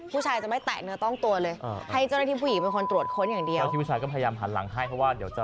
ผู้ชายจะไม่แตะเนื้อต้องตัวเลย